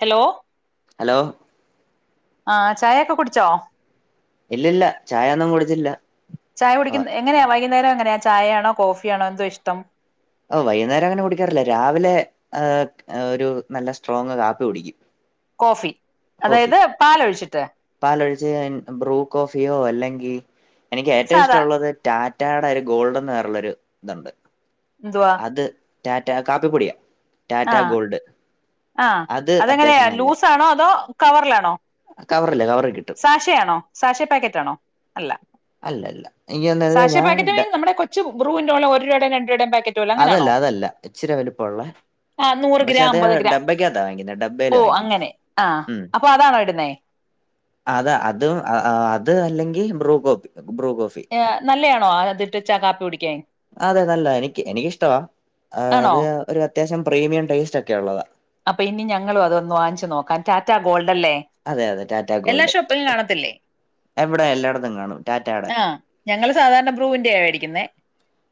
Hello hello ആഹ് ചായ ഒക്കെ കുടിച്ചോ ഇല്ലില്ല ചായൊന്നും കുടിച്ചില്ല ചായ കുടിക്കുന്ന എങ്ങനെയാ വൈകുന്നേരം എങ്ങനെയാ ചായയാണോ കോഫിയാണോ എന്തോ ഇഷ്ടം ഓ വൈകുന്നേരം അങ്ങനെ കുടിക്കാറില്ലേ രാവിലെ ഒരു നല്ല സ്ട്രോങ് കാപ്പി കുടിക്കും കോഫി കോഫി അതായത് പാല് ഒഴിച്ചി പാലൊഴിച്ച് ബ്രൂ കോഫിയോ അല്ലെങ്കിൽ എനിക്ക് ഏറ്റവും സാധാ ഇഷ്ടമുള്ളത് ടാ മറ്റാഡ ഒരു ഗോൾഡ്ന്ന് വേറൊരു ഇതുണ്ട് എന്തവാ അത് ടാറ്റ കാപ്പിപ്പൊടിയ ആ ആ അത് അതെങ്ങനെയ അത്യാവശ്യം നല്ല ലൂസാണോ അതോ കവറിലാണോ കവറില്ലേ കവറിൽ കിട്ടും സാശേയാണോ സാശെ പാക്കറ്റാണോ അല്ലല്ല ഇനി ഒന്നത് സാഷ ഞാൻ പാക്കറ്റ് ഇട്ട മീൻസ് നമ്മുടെ കൊച്ചു ബ്രൂവിന്റെ പോലെ ഒര് രൂടെ രണ്ട് രൂടെ പായ്ക്കറ്റ് അതല്ല അതല്ല ഇച്ചിരി വലിപ്പോള്ള ആ നൂറ് പക്ഷെ ഗ്രാം അത് അമ്പത് ഗ്രാം ഡബ്ബയ്ക്കകത്താ വാങ്ങുന്ന ഡബ്ബൽ ഓ വാങ്ങിക്കി അങ്ങനെ ആ ഉ അപ്പൊ അതാണോ ഇടുന്നേ അത അതും അത് അല്ലെങ്കിൽ [unintelligible] നല്ലതയാണോ ആ അതിട്ട് ചകാപ്പി കുടിക്ക അതെ നല്ല എനിക്ക് എനിക്കിഷ്ടവാ ആ ആണോ അത് ഒരു അത്യാവശ്യം പ്രീമിയം ടേസ്റ്റ് ഒക്കെ ഉള്ളതാ അപ്പം ഇനി ഞങ്ങളും അതൊന്ന് വാഞ്ച് നോക്കാം ടാറ്റാ ഗോൾ ല്ല അതെ അതെ ടാറ്റ എല്ലാ ഗോൾഡ് ഷോപ്പും കാണത്തില്ലേ എവിടെ എല്ലായിടത്തും കാണും ടാറ്റാടെ ആ ഞങ്ങള് സാധാരണ ബ്രൂവിന്റെ ആ മേടിക്കുന്നത്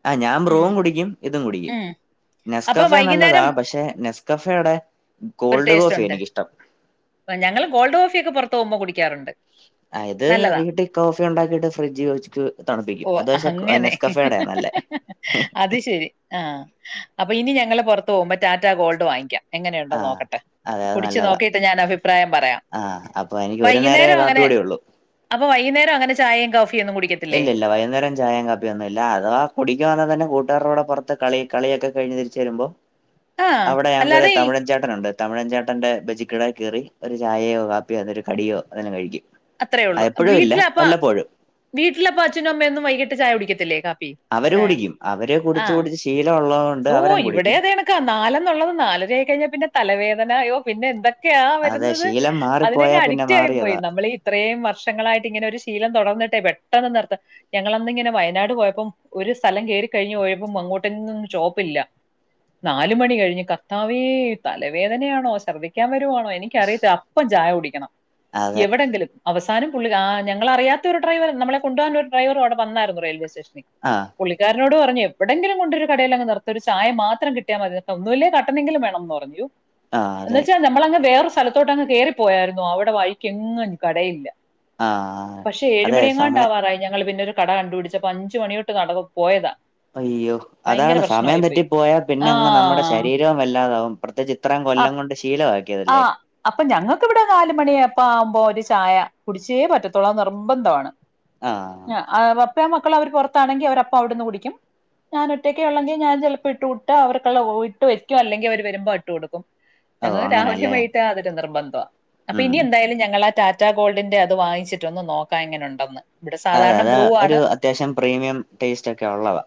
ആ ഞാൻ ബറോം കുടിക്കും ഇതും കുടിക്കും ഉം അപ്പൊ നെസ്കഫ നല്ലതാ വൈകുന്നേരം പക്ഷെ നെസ്കഫയുടെ ഒരു കോൾഡ് ടേസ്റ്റ് കോഫി ഉണ്ട് എനിക്കിഷ്ടം ഞങ്ങള് ഗോൾഡ് കോഫി ഒക്കെ പുറത്ത് തോമ കുടിക്കാറുണ്ട് അതത് നല്ലതാ വീട്ടിൽ കോഫി ഉണ്ടാക്കിട്ട് ഫ്രിഡ്ജ് വെച്ച് തണുപ്പിക്കും ഓ അത് പക്ഷെ അങ്ങനെ നെസ്കഫടയാന്നല്ലേ അത് ശരി ആഹ് അപ്പൊ ഇനി ഞങ്ങള് പെറത്ത് പോകുമ്പം റ്റാറ്റ ഗോൾഡ് വാങ്ങ്ക്ക്യാം ആ എങ്ങനെയുണ്ടോന്ന് നോക്കട്ടെ അതെ അത് കുടിച്ച് നല്ലതാ നോക്കിയിട്ട് ഞാൻ അഭിപ്രായം പറയാം. ആ അപ്പൊ എനിക്ക് ഒരു നേരമേ വൈകുന്നേരം കാപ്പി അങ്ങനെ കുടിയുള്ളൂ അപ്പൊ വൈകുന്നേരം അങ്ങനെ ചായയും കോ ഇല്ല ഇല്ല വൈകുന്നേരം ചായം കപ്പിയൊന്നും ഇല്ല അഥവാ കുടിക്കാ വന്നാ തന്നെ കൂട്ടുകാരോടെ പുറത്ത് കളി കളിയൊക്കെ കഴിഞ്ഞ് തിരിച്ച് വെരുമ്പോ ആഹ് അവിടെ ഞങ്ങക്കൊരു അല്ലാതെ ഈ തമിഴാൻ ചേട്ടനൊണ്ട് തമിഴചേട്ടന്റെ ബജിക്കിട കയറി ഒരു ചായയോ കാപ്പിയോ അതേലൊരു കടിയോ അതെല്ലാം കഴിക്കും അത്രേ അ എപ്പോഴും ഇല്ല വല്ലപ്പോഴും വട്ടപ്പ അച്ചനുംമ്മ ഒന്ന വൈകട്ട് ചായ കുടിക്കത്തില്ലേ അവര് ചായ കുടിക്കും അവരെ കുടിച്ച ആഹ് കുടിച്ച് ശീലമ ഉള്ളത ഓ ഇവിടേതേണക്കാ നാലന്നുള്ളത് നാലര ആക്കഴിഞ്ഞാൽ പിന്നെ തലവേദനയോ പിന്നെ എന്തൊക്കെ ആ അതെ വരുന്നത് ശീലം മാറിപ്പോയാ അതിനങ്െ പിന്നെ അഡിക്ട് ആയിപ്പോയി മാറിയതാ. നമ്മൾീ ഇത്രയും വർഷങ്ങളായിട്ട് ഇങ്ങനെ ഒരു ശീലം തുടർന്നട്ടെ പെട്ടെന്ന് നിർത്തം ഞങ്ങന്നിങ്ങനെ വയനാട് പോയപ്പോം ഒരു സ്ഥലം കേയറി കഴിഞ്ഞ് പോയപ്പോം അങ്ങോട്ട് നാല മണി കഴിഞ്ഞ് കത്താവേ തലവേദനയാണോ ശർദ്ദിക്കാൻ വരുവാണോ എനിക്കറിയത്തിെ അപ്പം ചായോടിക്ക കണണം അതെ. എവിടെങ്ക അവസാനം പുള്ളി ആ ഞങ്ങളൾറിയാത്ത ഒരു ഡ്രവർ നമ്മെ കൊണ്ടു പോകാ ഒരു ഡ്രവർ അടെ വന്നായിരുന്നു റെയിൽവേ സ്റ്റേഷൻ ആഹ്. പുള്ളിക്കാ ോട് പറഞ്ഞു എവിടെെങ്കിലുംണ്ടൊരു കടയി അങ് നിത്തത്തി ഒരു ചായ മാത്രം കിട്ടിയൽ മതിോ ഒന്നുമല്ലേ കട്ടെങ്കിലും വേണംന്ന് പറഞ്ഞു ആഹ് എ അതെ. വെച്ചാൽ നമ്മള വേറെ സ്ഥലത്തോട്ട്ങ്ങ് കയറിപ്പോയായിരുന്നു അവിടെ വായിക്ക് എങ്ങും കടയില്ല ആഹ്. പക്ഷെ ഏഴ് അതെ സമയം മണിയെങ്ങാണ്ടാവാറായി ഞങ്ങള് പിന്നെ ഒരു കട കണ്ടു പിടിച്ച അപ്പ അഞ്ചച് മണിോട്ട് നട പോയതാ അയ്യോ ഭയങ്കര അതാണ് സമയം പ്രശ്നമായി പോയി തറ്റി പോയാ പിന്നെ ആ അങ്ങ് നമ്മുടെ ശരീരവും വല്ലാതാവും പ്രത്യേകിച്ച് ഇത്രയും കൊല്ലം കൊണ്ട് ശീലമാക്കും ആഹ് അപ്പൊ ഞങ്ങൾക്ക് ഇവിടെ നാല മണിയ ചപ്പ ആവുമ്പോ ഒരു ചായ കുടിച്ചേ പറ്റത്തുള്ളൂ അത് നിർബന്ധമാണ് ആഹ്. ആഹ അ അപ്പേ മക്കള അവര് പുറത്താണെങ്കിൽ അവര അപ്പ അവിടുന്ന് കുടിക്കും ഞാൻ ഒറ്റയ്ക്കെ ഉള്ളെങ്കിൽ ഞാൻ ചിലപ്പോൾ ഇട്ട് വിട്ട് അവർക്ക ഇട്ട് വയ്ക്കും അല്ലെങ്കിൽ അവര് വരുമ്പോ ഇട്ട് കൊടുക്കും ഓ ഞങ്ങള് രാവിലെയും അങ്ങനെയല്ലേ വൈകിട്ടും അതിര് നിർബ ത അപ്പൊ ഉം ഇനി എന്തായാലും ഞങ്ങള ആ ടാ റ്റാഗോൾഡിന്റെ അത് വാങ്ങിച്ചട്ട ഒന്ന് നോക്കാ ഇങ്ങനെണ്ടന്ന് അതെ അത ഒരു അത്യാവശ്യം പ്രീമിയം ടേസ്റ്റ് ഒക്കെ ഉള്ളത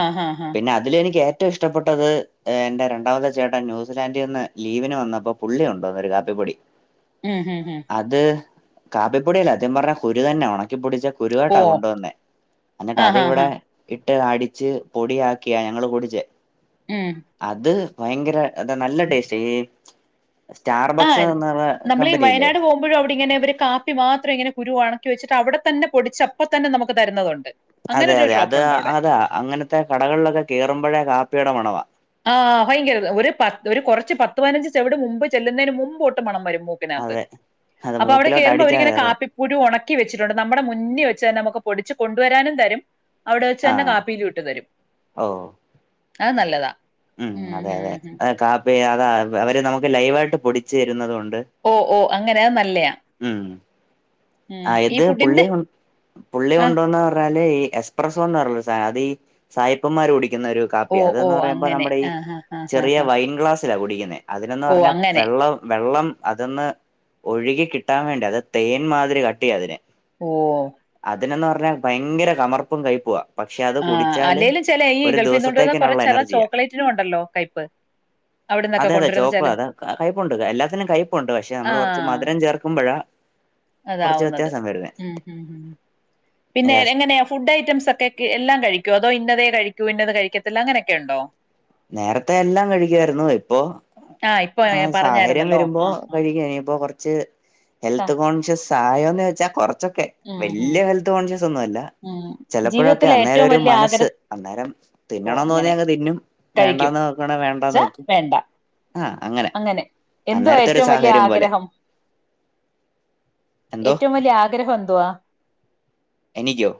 ആഹ് ആഹ് ആഹ് പിന്നെ അതില എനിക്ക്ഏറ്റ ഏറ്റവും ഇഷ്ടപ്പെട്ടത് എന്റെ രണ്ടാമത്തെ ചേട്ടൻ ന്യൂസിലാന്ൻഡിൽ നിന്ന് ലീവിന് വന്നപ്പോ പുള്ളിയ ഉണ്ടോന്നൊ ഒരു കാപ്പിപ്പൊടി ഉം ഹം ഉ അത് കാപ്പിപ്പൊടിയല്ല അദ്യം പറഞ്ഞ കുരു തന്നെ ആണ [unintelligible] ഓ കുരുവാട്ടാ കൊണ്ടുവന്നേ എന്നിട്ട് ആഹ് അതി ആഹ് ആഹ് ഇവിടെ ഇട്ട് അടിച്ച് പൊടിയാക്കിയാ ഞങ്ങള്ൾ കൂടിച്ചേ ഉം അത് ഭയങ്കര അതാ നല്ല ടേസ്റ്റ് ആ സ്റ്റാർബക്സ് എന്ന് പറഞ്ഞ നമ്മൾ കമ്പനിയില്ലേ വയനാട് പോകുമ്പോഴും അവിടെ ഇങ്ങനെ അവര് കാപ്പി മാത്രം ഇങ്ങനെ കുരുവാണ് വെച്ചിട്ട് അവിടെ തന്ന പൊടിച്ച് അപ്പ തന്ന നമുക്ക് തരുന്നതൊണ്ട് അതെ അതെ അത് അതാ അങ്ങനത്തെ കടകളിലൊക്കെ കെയറുമ്പാഴേ കാപ്പിടെ മണവാ ആാ ഭയങ്കര ഇത് ഒര് പത്ത് ഒര് കൊറച്ച് പത്ത് പതിനഞ്ച് ചെവിട് മുമ്പ് ചെല്ലുന്നേന് മുമ്പോട്ട് പണം വരും ൂിനകത്ത് അതെ അത് അപ്പൊ അവിടെ മൂക്കിലോട്ട് കേയറുമ്പോ അടിച്ചാ അവരിങ്ങെ കേറുന്നെ കാപ്പിപ്പുഴണ ി വെച്ചിട്ടുണ്ട് നമ്മുടെ മുന്നിൽ വെച്ചെ നമുക്ക് പൊടിച്ച്ു കൊണ്ടുവരാനും തരും അവിടെ വച്ചെന്നെ ആഹ് കാപ്പിയില വിട്ട് തരും ഓ അത് നല്ലതാ ഉം അതെ അതെ അതെ കാപ്പി അത അവരെ നമുക്ക് ലൈവായിട്ട് പൊടിിച്ചു തരുന്നതുംണ്ട് ഓ ഓ അങ്ങനെ നല്ലയാാ ഉം ആ ഇത് പുള്ളി ഫുഡിന്റെ പുള്ളി ആ കൊണ്ടോന്ന് പറഞ്ഞാല് ഈ എസ്പ്രസോന്ന് പറ അതീ സായിപ്പുംമാരൂടി ുന്ന ഒരു കാപ്പി ഓ ഓ അതന്ന് പറയുമ്പോ അങ്ങനെ നമ്മുടെ ഈ ആ ഹാ ഹാ ഹാ ചെറിയ ഹാ വൈൻ ഗ്ലാസ് ചില കുടിക്കുന്നത് അതിനന്ന് ഓ പറഞ്ഞാ അങ്ങനെ വെള്ളം വെള്ളം അതൊന്ന് ഒഴുകി കിട്ടാൻ വേണ്ടി അത് തേൻ മാതിരി ക കട്ടി അതിനെ ഓ ഇതിനന്ന് പറഞ്ഞാ ഭയങ്കാര കമർപ്പും കഴ്പ്പുമാ പക്ഷെ അത് ആ കുടിച്ചാല് അല്ലേലും ചില ഈ ഒരു ഗൾഫിൽ നിന്ന് കൊണ്ടുവരുന്ന കുറെ ദിവസത്തേക്കന്നുള്ള ചില എനർജിയാ ചോക്ലേറ്റിനും ഉണ്ടല്ലോ കയ്പ് അവിടെ നിന്നൊക്കെ അതെ അതെ കൊണ്ടുവരുന്ന ചോക്കും ചില അത കയ്പപ്പുണ്ട് എല്ലാത്തിനും കയ്പപ്പുണ്ട് പക്ഷെ ആ നമ്മള് കുറച്ച് മധുരം ചേർക്കുമ്പോഴ അതാവുന്നത് ഉം ഹ ഹ പിന്നെ യെസ്. എങ്ങനെയാ ഫുഡ് ഐറ്റംസ് ഒക്കെ എല്ലാം കഴിക്കുമ അതോ ഇന്നതെ കഴിക്കൂ ഇന്നത് കഴിക്കത്തില്ല അങ്ങനെയൊക്കെ ഉണ്ടോ? നേരത്തെ എല്ലാ കഴിക്കുവായിരുന്നു ഇപ്പൊ ആഹ് ഇപ്പൊ ആ സാഹര്യം പറഞ്ഞായിരുന്നല്ലോ വരുമ്പോ ആഹ് ആഹ് കഴിക്കാനിപ്പോ കുറച്ച് സ ഹെൽത്ത് കോൺഷ്യസ് [unintelligible] വെച്ചാ കുറ ച്ചൊക്കെ ഉം ഉം വല്ല്യ ഹെൽത്ത് കോൺഷ്യസ് ഒന്നുവല്ല ഉം ചിലപ്പോഴൊക്കെ ജീവിതത്തിലെ അന്നേരം ഏറ്റവും ഒരു വലിയ മനസ്സ് ആഗ്രഹം അന്നേരം ഓ തിന്നണോന്ന് തോന്നിയ അങ്ങനെ അങ്ങ്തിന്നും. കഴിക്കും വേണ്ടാന്ന് വെക്കാനെ ച്ച വേണ്ടാന്ന് വെക്ക് വേണ്ട അങ്ങനെ എന്തുവാ ഏറ്റവു വലിയ സാഹചര്യം പോലെ ആഗ്രഹം എന്തോ ഏറ്റവും വലിയ ആഗ്രഹം എന്തുവാ എനിക്കൊ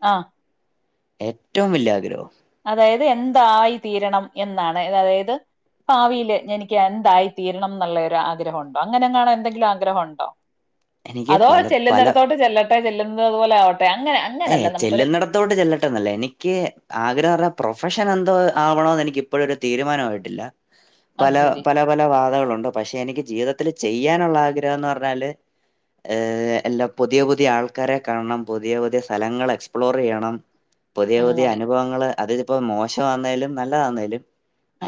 ആ ഏറ്റവു വലിയ ആഗ്രഹൊ അതായത് എന്തായി തീരണം എന്നാണ് അതായത് ഭാവിയില് എനിക്ക് എന്തായി തീരണം എന്നുള്ളരു ആഗ്രഹം ഉണ്ടോ അങ്ങനെങ്ങാനു എന്തെങ്കിലും ആഗ്രഹം ഉണ്ടോ എനിക്ക് അതോ പല ചെല്ലുന്നിടത്തോട്ട് ചെല്ല [unintelligible] പോലാ ആ എ ചെല്ലുന്നിടത്തോട്ട് ചെല്ലട്ടന്നല്ലാ എനിക്ക് ആഹ [unintelligible] പ്രൊഫഷനെന്തോ ആവണോന്ന് എനിക്ക് ഇപ്പോഴൊരു തീരുമാനമായിട്ടില്ല അത് പല ശരി പല പല വാതകളുണ്ട് പക്ഷെ എനിക്ക് ജീവിതത്തി ചെയ്യാനുള്ള ആഗ്രഹന്നു പറഞ്ഞാല് ഏ എല്ല പുതിയ പുതിയ ആൾക്കാരെ കാണണം പുതിയ പുതിയ സ്ഥലങ്ങൾ എക്സ്പ്ലോർ ചെയ്യണം പുതിയ പുതിയ അങ്ങനെ അനുഭവങ്ങൾള് അത് ഇപ്പൊ മോശം ആന്നേലും നല്ലതാന്നെലും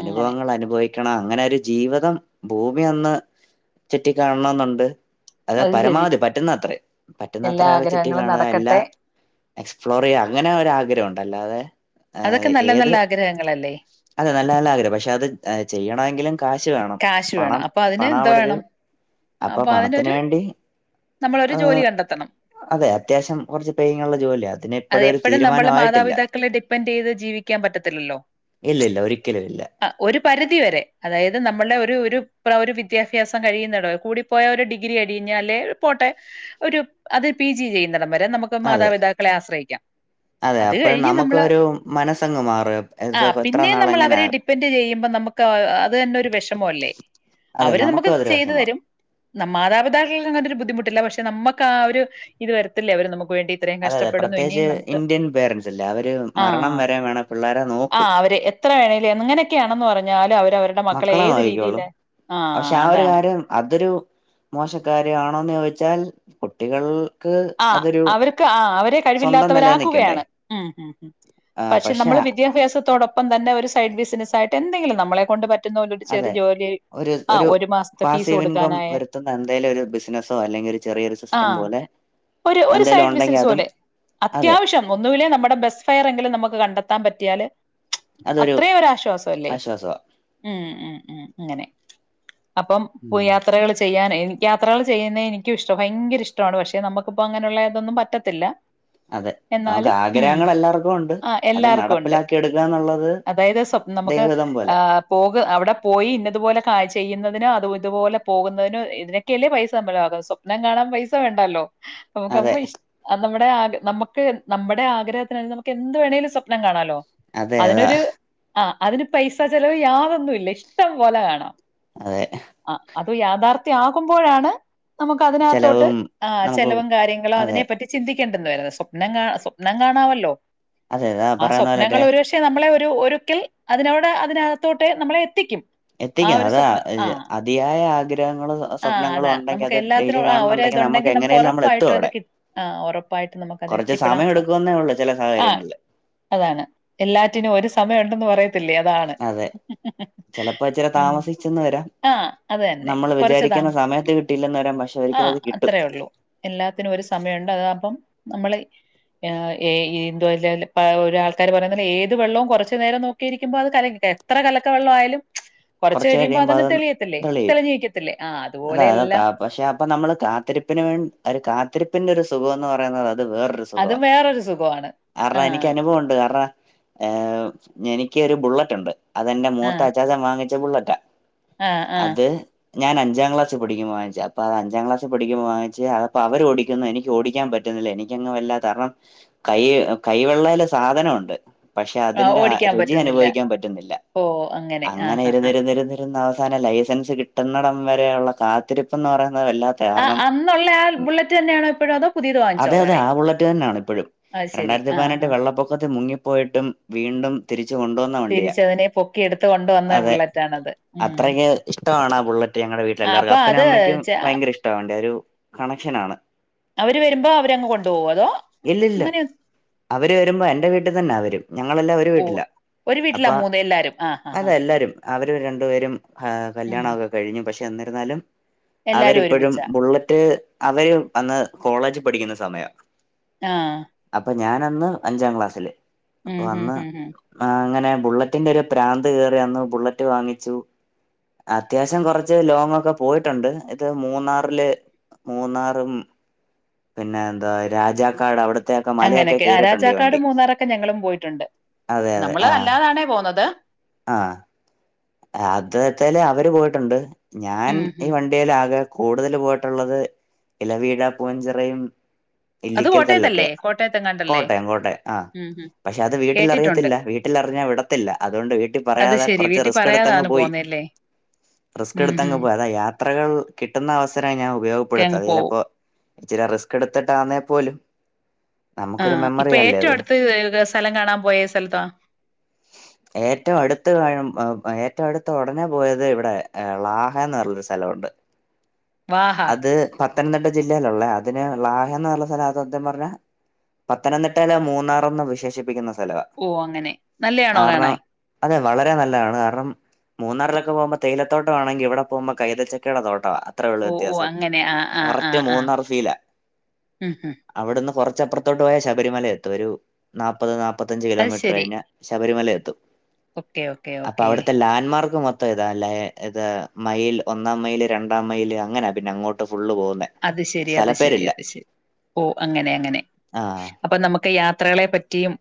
അങ്ങനെ അനുഭവി- ക്കണം അങ്ങനെ ഒരു ജീവിതം ഭൂമി അന്ന് ചുറ്റി കാണണോന്നുണ്ട് അത് പരമാവധി പറ്റുന്നത്ര പറ്റുന്നത്ര എല്ലാ ആ ചുറ്റി ആഗ്രഹങ്ങളും കാണുക എല്ലാ നടക്കട്ടെ എക്സ്പ്ലോർ ചെയ്യാ അങ്ങനെ ഒരു ആഗ്രഹം ഒണ്ട് അല്ലാതെ ആ അതൊക്കെ നല്ല ഏത് നല്ല ആഗ്രഹങ്ങളല്ലേ അതെ നല്ല നല്ല ആഗ്രഹം പക്ഷെ അത് ചെയ്യണങ്കിലും കാശ് വേണം കാശ് വേണം പണം അപ്പൊ അതിന് പണം എന്തോ അവിടെരു വേണം അപ്പൊ പണത്തിന് വേണ്ടി നമ്മളൊരു ജോലി ഹ് കണ്ടെത്തണം അതെ അത്യാവശ്യം കുറച്ച് [unintelligible] ജോലിയത് അത് എപ്പോഴും നമ്മളെ മാതാപിതാക്കളെ ഡിപ്പെെൻഡ് ചെയ്ത് ജീവിക്കാൻ പറ്റത്തില്ലല്ലോ ഇല്ല ഇല്ല ഒരിക്കലും ഇല്ല ആ ഒരു പരിധി വരെ അതായത് നമ്മുടെ ഒരു ഒരു [unintelligible] ഒരു വിദ്യാഭ്യാസം കഴിയുന്നട കൂടിപ്പോയ ഒരു ഡിഗ്രി അടിഞ്ഞല് പോട്ടെ ഒരു അത് പി ജി ചെയ്യുന്നടവരേ നമുക്ക് അതെ മാതാപിതാക്ക ആശ്രയിക്കാം അതെ അത് അപ്പോഴും കഴിഞ്ഞ് നമുക്ക് നമ്മള് ഒരു മനസ്സങ്ങ് മാറും ആ ഇപ്പ എത്ര പിന്നെ നാൾ നമ്മൾ എങ്ങനെ അവരെ ഡിപ്പെെൻഡ് ചെയ്യുമ്പോ നമുക്ക് അത് തന്നെ ഒരു വിഷമോ അല്ലേ അതെ അവര് നമുക്ക് നമുക്കും അതൊരു ചെയ്തു വിഷമമാ തരും ന മാതാപിതാക്കൾക്ക അങ്ങനൊ ഒരു ബുദ്ധിമുട്ടില്ല പക്ഷെ നമുക്ക് ആ ഒരു ഇത് വരത്തില്ല അവര് നമുക്ക് വേണ്ടി ഇത്രയും അതെ കഷ് അതെ പ്രത്യേകിച്ച് ഇന്ത്യൻ പേരെന്റ്സ് ഇല്ലേ അവര് ആ മരണം വെരെ വേണ പിള്ളേരെ ആ നോക്കൂം അവര് എത്ര വേണേലും [unintelligible] മക്കളെ ഏത് നോക്കിക്കോളൂ രീതിയില് പക്ഷെ ആ ഒരു അതാണ് കാര്യം അതൊരു മോശക്കാര് ആണോന്ന് ചോദിച്ചാൽ കുട്ടികൾ ആ അരക്ക് ആാ അവരെ സ്വന്തം നിലനിൽക്കണ്ടേ കഴിവില്ലാത്തവരാക്കുകയാണ് ഉം ഉം ആ പശെ പക്ഷെ നമ്മള് വിദ്യാഭ്യാസത്തോടൊപ്പം തന്നെ ഒരു സ് സൈഡ് ബിസിനസ് ആയിട്ട് എന്തെിലും നമ്മളെ കൊണ്ട് പറ്റ അതെ ഒരു ഒരു മാസത്തെ ഫീസ് പാസീവ് ഇൻകം കൊടുക്കാനായാൽ വരുത്തുന്ന എന്തെലും ഒരു ബിസിനസോ അല്ലെങ്കിലൊരു ചെറിയൊരു ആ സിസ്റ്റം പോലെ ഒരു എന്തേലും സൈഡ് ഉണ്ടെങ്കിൽ ബിസിനസ് അതും പോലെ അതെ അത്യാവിശ്യം ഒന്നൂലെ നമ്മുടെ ബെസ് ഫയർങ്കിലും നമുക്ക് ക നടത്താൻ പറ്റിയാല് അതൊരു അത്രയും ഒരാശ്വാസം അല്ലേ ആശ്വാസവാ [unintelligible] ഉം ഉം ഉം [unintelligible] അങ്ങനെ അപ്പം പോയി ഉം യാത്രകൾ ചെയ്യാനേ എനി യാത്രകൾ ചെയ്യുന്നത് എനിക്കുംഷ്ട ഭയങ്കര ഇഷ്ടമാണ് പക്ഷെ നമുക്ക് പ്പോ അങ്ങനുള്ള അതൊന്നും പറ്റത്തില്ല അതെ നമുക്ക് എന്നാലും ഉം ആഗ്രഹങ്ങൾ എല്ലാവർക്കും ഉണ്ട് ആ അത് എല്ലാർക്കും ഉണ്ട് നടപ്പിലാക്കി എടുക്കുക എന്നുള്ളത് അതായത് സ്വപ് നമുക്ക് ദൈവഹിതം പോലെ ആഹ് പോക അവിടെ പോയി ഇന്നതുപോലെ ചെയ്യുന്നതിന് അതു ഇതുപോലെ പോകുന്നതിനന് ഇതിനൊക്കെയല്ലേ പൈസ നമ്മല് സ്വപ്നം കാണാൻ പൈസ വേണ്ടല്ലോ നമ്മക്ക് അതെ അപ്പം ഇഷ്ട നമ്മുടെ ആഗ്ര നമുക്ക് നമ്മുടെ ആഗ്രഹത്തിന് നമുക്ക് എന്ത് വേണേലും സ്വപ്നം കാണാലോ അതെ അതാ അതിനൊരു ആഹ് അതിന് പൈസ ചെലവ് യാതൊന്നുല്ല ഇഷ്ടം പോലെ കാണാം അതെ ആ അത് യാഥാർത്ഥ്യ ആകുമ്പോഴാണ് നമുക്ക് അതിനകത്തോട്ട് ചെലവും ആ നമുക്ക് ചെലവും കാര്യങ്ങളും അതെ അതിനെപ്പറ്റി ചിന്തി [unintelligible] സ്വപ്നം സ്വപ്നം കാണാമല്ലോ അതെ അതാ ആ പറയുന്ന സ്വപ്നങ്ങൾ പോലെറ്റെ ഒരുപക്ഷെ നമ്മളെ ഒരുക്കൽ അതിനോടെ അതിനകത്തോട്ട് നമ്മളെ എത്തിക്കും ആ ഒരു എത്തിക്കുന്നത് സ്വപ്നം അത് ആ അതിയായ ആഗ്രഹങ്ങളും ആ സ്വപ്നങ്ങളും അതാ ഉണ്ടെങ്കിൽ നമുക്ക് അത് ഡെയിലി എല്ലാത്തിനും ആ ഒരു കാണുന്നുണ്ടെങ്കിൽ നമുക്ക് ഇതുണ്ടെങ്കിൽ എങ്ങനെ ഉറപ്പായിട്ടും അത് കി ആ ഉറപ്പായിട്ട് നമുക്ക്ത് കുറച്ച് എത്തിപ്പെടാൻ സമയം സാധിക്കും എടുക്കുമെന്നേ ഉള്ളൂ ചില ആ സാഹചര്യങ്ങളില് അതാണ് എല്ലാറ്റിനും ഒരു സമയം ഉണ്ടെന്ന് പറ അതെ ചിലപ്പോ ഇച്ചരി ഉം താമസിച്ചന്ന് വരാം ആഹ് അത് തന്നെ നമ്മൾ കൊറച്ചതാ വിചാരിക്കുന്ന സമയത്ത് കിട്ടിയില്ലെന്ന് വരാം പക്ഷെ ആഹ് ഒരിക്കലത് കിട്ടും അത്രേ ഒള്ളൂ എല്ലാത്തിനും ഒരു സമയമുണ്ട് അത് അപ്പം നമ്മൾ [unintelligible] ആൾക്കാര് പറയണ ഏത് വെള്ളവും കുറച്ചു നേരം നോക്കിയിരിക്കുമ്പോ അത് കല എത്ര കലക്ക വെള്ള ആയാലും കുറച്ച് കഴിയുമ്പോ അതങ്ങ് അത് തെളിയത്തില്ലേ തെളിയും തെളിഞ്ഞു നിക്കത്തില്ലേ ആഹ് അതാ അതൊ അതുപോലെയല്ല കാ പക്ഷെ അപ്പൊ നമ്മള് കാത്തിരിപ്പിന് വേണ്ടി ഒരു കാത്തിരിപ്പിന്റൊരു സുഖോന്ന് പറയുന്നത് അത് വേറെരു സുഖാ അതും വേറൊരു സുഖമാണ് കാറാണം എനിക്ക് ആഹ് അനുഭവേണ്ട് കാറാണം ആ എനിക്ക് ഒരു ബുള്ളറ്റ് ഉണ്ട് അതെന്റെ മൂത്ത അജാസ വാങ്ങിച്ച് ചുള്ളറ്റ ആഹ ആഹ ഞാൻ അഞ്ചാം ക്ലാസ് പഠിക്ക്പോൾ വാങ്ങിച്ചു അപ്പൊ അത് അഞ്ചാം ക്ലാസ്ൽ പഠിക്കുമ്പോ വാങ്ങിച്ചു അപ്പൊ അവര് ഓടിക്കുന്നു എനിക്ക് ഓടിക്കാൻ പറ്റുന്നില്ല എനിക്കങ്ങങ് വല്ല കാരണം കൈ കൈവെള്ളൽ സാധനംുണ്ട് പക്ഷെ ആഹ് അതിന്റെ ഓടിക്കാൻ രുചി പറ്റുന്നില്ല അനുഭവിക്കാൻ പറ്റുന്നില്ല ഓ ആഹ് അങ്ങനെ ആഹ് ആഹ് ഇരിരുന്നിരുന്നിന്ന അവ അവാന ലൈസൻസ് കിട്ടുന്നടം വരെയ ഉുള്ള കാത്തിരിപ്പ് എന്ന് പറയാ ആ അന്നുള്ള ആ ബുള്ളറ്റ് തന്നെയണോ എപ്പോഴും അതോ പുതിയത് വാങ്ങിച്ചോ അതെ അതെ വേറെ ആ ബുള്ളറ്റ് തന്നെയാണ് ഇപ്പോഴും അ ശരി ആഹ ആ പോയിട്ടും വീണ്ടും തിരിച്ച തിരിച്ചതിനെ പൊക്കി എടുത്തുണ്ടോ അതെ അത്രക്കെ ഇഷ്ടമാണ് ആ ബുള്ളറ്റ് ഞങ്ങളടെ ആഹ് അപ്പൊ വീട്ടിലെല്ലാവർക്കും അപ്പനും അത് അമ്മയ്ക്കും ച ഭയങ്കര ഇഷ്ടവണ്ട ഒരു കണക്ഷൻ ആണ് അവര് വരുമ്പോ അവരങ്ങ് കൊണ്ടു പോക അതോ ഇല്ലില്ല അങ്ങനെ അവര് വരുമ്പോ എന്റെ വീട്ടിൽ തന്നാ വരും ഞങ്ങളെല്ലാം ഒരു ഓ ഒരു വീട്ടിലാ മൂന്ന് എല്ലാരും ആഹ ആ അതെ എല്ലരും അവർ രണ്ടു പേരും ഉം കല്യാണമൊക്കെ കഴിഞ്ഞു പക്ഷെ ചെന്നിരുന്നാലും എല്ലാരും അവരിപ്പോഴും ഒരുമിച്ചാ ബുള്ളറ്റ് അവര് വന്ന് കോളേജ് പഠിക്കുന്ന സമയാ ആഹ ഞാനന്ന് അഞ്ചാം ക്ലാസ്സില് അപ്പൊ ഉം ഉം അന്ന് ഉം ഉം ആ അങ്ങനെ ബുള്ളറ്റിന്റെ ഒരു പ്രാന്ത ന്ന് ബുള്ളറ്റ് വാങ്ങിച്ചു അത്യാവശ്യം കുറച്ച് ലോങ്ങൊക്കെ പോയിട്ടുണ്ട് ഇത് മൂന്നാറില് മൂന്നാറും പിന്നെ എന്താ രാജാക്കാട് അവിടത്തെയൊക്കെ മലയൊക്കെ അങ്ങനെയൊക്കെ ആ കേറിയിട്ടുണ്ട് ഈ രാജാക്കാട് വണ്ടി മൂന്നാറൊക്കെ ഞങ്ങളും പോയിട്ടുണ്ട് നമ്മൾ അല്ലാതാണേ പോന്നുന്നത് ആഹ അദ്ച്ചല് അവര് പോയിട്ടുണ്ട് ഞാൻ ഉം ഈ ഉം വണ്ടിൽ ആകെ കൂടുതൽ പോട്ട ട്ടുള്ളത് ഇല വീഴാ പൂൻ ചെറയും അത് ഇല്ലിക്കൽ കോട്ടയത്തല്ലേ കല്ലൊക്കെയാ കോട്ടയത്തെങ്ങാണ്ടല്ലേ കോട്ടയം കോട്ടയം ആഹ ഉം ഉം പക്ഷെ അത് വീട്ടിൽ കേട്ടിട്ടുണ്ട് അറിയത്തില്ല വീട്ടിൽറിഞ്ഞാ വിടത്തില്ല അതുകൊണ്ട് വീട്ടിൽ അത് പറയാതെ ശെരി കുറച്ച് വീട്ടിൽ റിസ്ക് ങ് പറയാതാണ് പോയി പോന്നേല്ലേ സ്ക് ഉം എടുങ് ഉം പോയി അതാ യാത്രകൾ കിട്ടുന്ന അവസരമാണ് ഞാൻ ഒക്കെ ഉപയോഗപ്പെടുത്ത അങ്ങ് പോവും ചിലപ്പോ ച്ചിരി റിസ്ക് എടുത്തിട്ടാന്നേ പോലും നമുക്കൊരു ആഹ മെമ്മറി ഇപ്പൊ അല്ലേ ഏറ്റവും അത് അടുത്ത് സ്ഥലം കാണാൻ പോയ സ്ഥലത്താ ഏറ്റവും അടുത്ത് ഏറ്റവും അടുത്ത് ഉടനെ പോയത് ഇവിടെ ലാഹന്ന് പറഞ്ഞൊരു സ്ഥലമുണ്ട് വാഹാ അത് പത്ത് പത്തനംതിട്ട ജില്ലയിലുള്ള അതിനെ ലാഹ എന്ന് പറഞ്ഞ സ്ഥലം അത് സത്യം പറഞ്ഞ പത്തനംതിട്ടയിലെ മൂന്നാർ എന്ന് വിശേഷിപ്പിക്കുന്ന സ്ഥലവ ഓ അങ്ങനെ നല്ലയാണോ കാണാൻ അതെ വളരെ നല്ലതാണ് കാരണം മൂന്നാറിലൊക്കെ പോകുമ്പ തേയിലത്താട്ടമാണെങ്കിൽ ഇവിടെ പോകുമ്പോ കൈതച്ചക്കയുടെ തോട്ടവാ അത്രേള്ളൂ ഓ ഓ വിത്യാസം അങ്ങനെ ആ ആ ആ കറക്റ്റ് ആ മൂന്നാർ ഫീല് ഉം ഉം അവിടുന്ന് കുറച്ച് കുറച്ച് അപ്പുറത്തോട്ട് പോയാൽ ശബരിമല എത്തുംഒരു നാപ്പത് മുപ്പത്തഞ്ച് അത് കിലോമീറ്റർ ശരി കഴിഞ്ഞ ശബരിമല ശബരിമലയഎത്തും ഓക്കെ ഓക്കെ ഓക്കേ അവിടുത്തെ ലാൻഡ് മാർക്ക് മൊത്തം ഇതാ അല്ലേ മൈൽ ഒന്നാം മൈൽ രണ്ടാം മൈൽ അങ്ങനാ പിന്നെ അങ്ങോട്ട് ഫുള്ള് പോകുന്നേ അത് ശരി അത് ശരി സ്ഥലപ്പേരില്ല അത് ശരി ഓ അങ്ങനെ അങ്ങനെ ആഹ് അപ്പൊ നമുക്ക് യാത്ര യാത്രയെ പറ്റിയും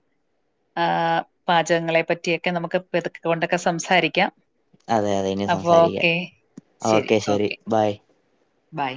ആ പാചകങ്ങളെ പറ്റിയൊക്കെ നമുക്ക് പതുക്ക ഒക്കെ സംസാരിക്കാം അതെ അതെ ഇനി അപ്പൊ സംസാരിക്ക ഓക്കെ ഓക്കെ ശെരി ബൈ ബൈ